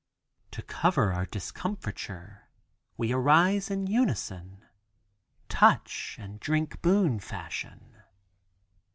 To cover our discomfiture, we arise in unison, touch and drink boon fashion.